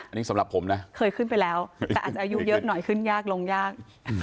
อันนี้สำหรับผมนะเคยขึ้นไปแล้วแต่อาจจะอายุเยอะหน่อยขึ้นยากลงยาก